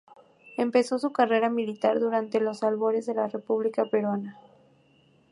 Empezó su carrera militar durante los albores de la República Peruana.